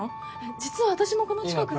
実は私もこの近くに